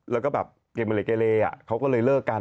แล้วก็แบบเกเลเกเลเขาก็เลยเลิกกัน